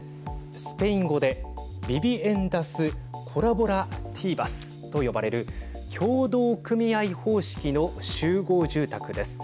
スペイン語でビビエンダス・コラボラティーバス。と呼ばれる協同組合方式の集合住宅です。